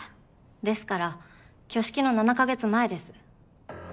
ですから挙式の７か月前です。